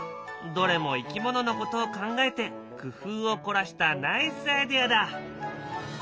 どれもいきもののことを考えて工夫をこらしたナイスアイデアだ。